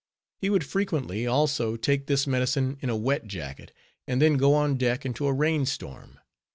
He would frequently, also, take this medicine in a wet jacket, and then go on deck into a rain storm.